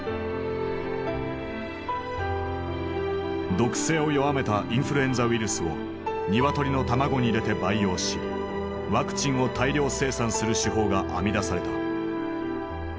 毒性を弱めたインフルエンザウイルスを鶏の卵に入れて培養しワクチンを大量生産する手法が編み出された。